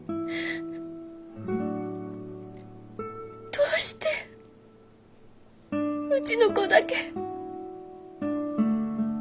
どうしてうちの子だけ。